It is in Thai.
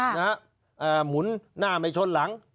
นะฮะหมุนหน้าไม่ช้นหลัง